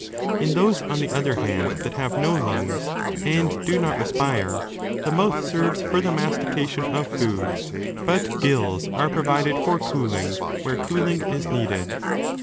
In those, on the other hand, that have no 2 lungs and do not respire, the mouth serves for the mastication of food, but giUs are provided for cooling where cooling is needed.